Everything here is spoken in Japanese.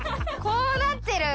こうなってる。